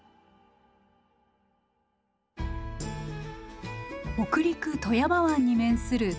北陸・富山湾に面する富山市。